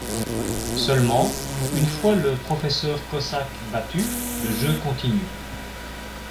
Seulement, une fois le professeur Cossack battu, le jeu continue.